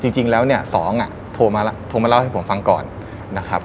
จริงแล้วเนี่ย๒โทรมาเล่าให้ผมฟังก่อนนะครับ